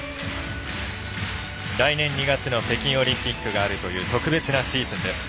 来年２月の北京オリンピックがあるという特別なシーズンです。